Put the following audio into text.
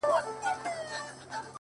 د ژوند ستا په مينه باندې ساز دی!